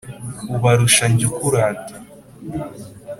ubarusha njye ukurata !